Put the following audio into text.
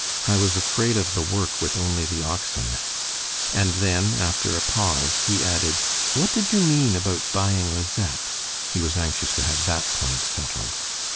"I was afraid of the work with only the oxen." And then, after a pause, he added, "What did you mean about buying Lisette?" He was anxious to have that point settled.